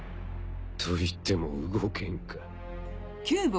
と言っても動けんか。